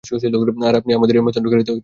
আর আমি আপনার এম্বাসেডর গাড়িতে চা দিতাম।